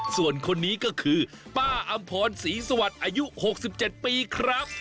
ส่วนคนนี้ก็คือป้าอำพรศรีสวัสดิ์อายุ๖๗ปีครับ